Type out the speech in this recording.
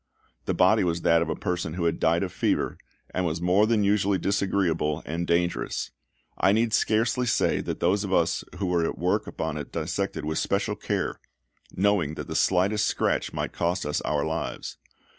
The body was that of a person who had died of fever, and was more than usually disagreeable and dangerous. I need scarcely say that those of us who were at work upon it dissected with special care, knowing that the slightest scratch might cost us our lives.